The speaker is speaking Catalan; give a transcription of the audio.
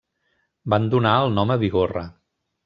Van donar el nom a Bigorra.